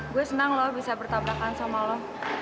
gue senang loh bisa bertabrakan sama lo